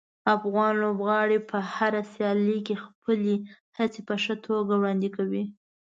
افغان لوبغاړي په هره سیالي کې خپلې هڅې په ښه توګه وړاندې کوي.